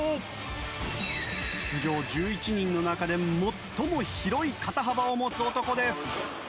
出場１１人の中で最も広い肩幅を持つ男です